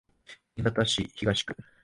新潟市東区